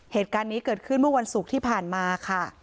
เหตุการณ์นี้เกิดขึ้นเมื่อวันศุกร์ที่ผ่านมาค่ะ